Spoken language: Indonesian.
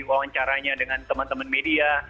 wawancaranya dengan teman teman media